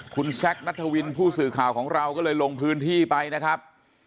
คุณแซคนัทวินผู้สื่อข่าวของเราก็เลยลงพื้นที่ไปนะครับ